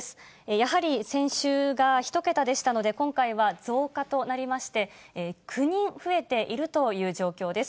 やはり先週が１桁でしたので、今回は増加となりまして、９人増えているという状況です。